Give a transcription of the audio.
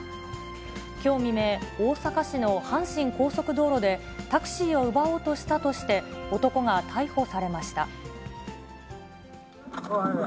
きょう未明、大阪市の阪神高速道路で、タクシーを奪おうとしたとして、男が逮捕されました。